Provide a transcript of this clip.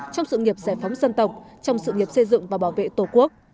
trong sự nghiệp giải phóng dân tộc trong sự nghiệp xây dựng và bảo vệ tổ quốc